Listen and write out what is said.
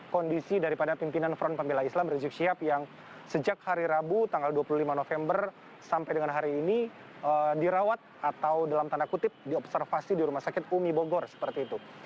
kondisi daripada pimpinan front pembela islam rizik syihab yang sejak hari rabu tanggal dua puluh lima november sampai dengan hari ini dirawat atau dalam tanda kutip diobservasi di rumah sakit umi bogor seperti itu